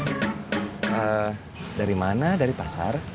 dari mana dari pasar